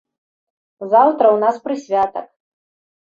Заўтра ў нас прысвятак.